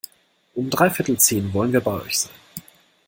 Um dreiviertel zehn wollen wir bei euch sein.